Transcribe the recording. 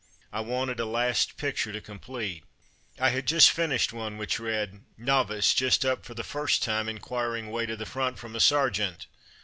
I wanted a last picture to complete. I had just finished one which read: ''Novice just up for the first time inquir ing way to the front from a sergeant.